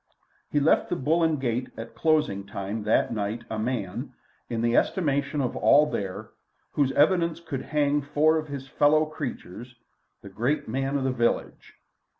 He left the "Bull and Gate" at closing time that night a man, in the estimation of all there, whose evidence could hang four of his fellow creatures, the great man of the village.